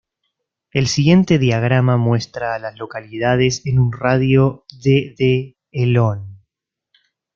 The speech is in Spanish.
El siguiente diagrama muestra a las localidades en un radio de de Elon.